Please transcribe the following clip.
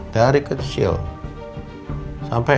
dari kecil sampai elsa sepertinya bebas ngelakuin apa aja